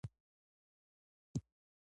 بادام د افغان ځوانانو لپاره دلچسپي لري.